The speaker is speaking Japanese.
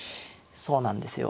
そうなんですよ。